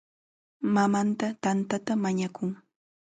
Mamanta tantata mañakun.